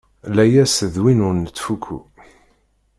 Layas d win ur nettfukku.